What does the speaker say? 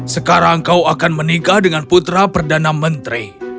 sekarang kau akan menikah dengan putra perdana menteri